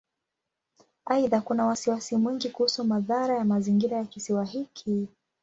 Aidha, kuna wasiwasi mwingi kuhusu madhara ya mazingira ya Kisiwa hiki.